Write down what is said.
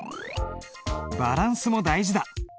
バランスも大事だ！